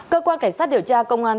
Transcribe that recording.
cơ quan cảnh sát điều tra công an